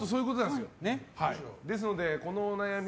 ですので、このお悩み